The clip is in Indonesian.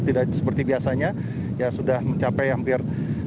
tidak seperti biasanya ya sudah mencapai hampir empat dua ratus dua